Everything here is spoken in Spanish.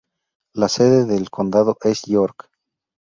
La sede del condado es York.